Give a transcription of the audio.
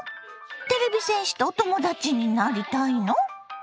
てれび戦士とお友達になりたいの？